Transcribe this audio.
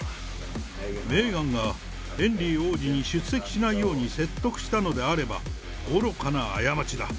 メーガンがヘンリー王子に出席しないように説得したのであれば、愚かな過ちだ。